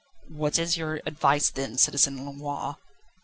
"What is your advice then, Citizen Lenoir?"